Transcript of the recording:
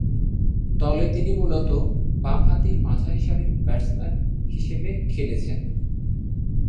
দলে তিনি মূলতঃ বামহাতি মাঝারিসারির ব্যাটসম্যান হিসেবে খেলছেন।